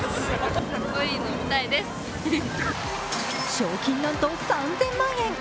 賞金なんと３０００万円。